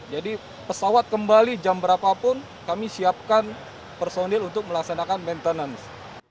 jadi pesawat kembali jam berapapun kami siapkan personel untuk melaksanakan maintenance